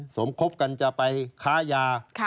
สมคบกันจะไปค้ายา